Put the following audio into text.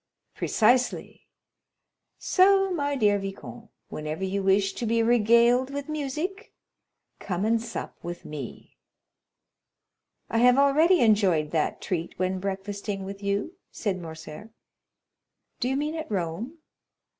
"Precisely. So, my dear viscount, whenever you wish to be regaled with music come and sup with me." "I have already enjoyed that treat when breakfasting with you," said Morcerf. "Do you mean at Rome?"